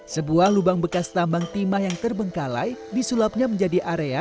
sebuah lubang bekas tambang timah yang terbengkalai disulapnya menjadi area